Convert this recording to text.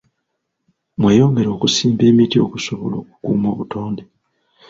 Mweyongere okusimba emiti okusobola okukuuma obutonde.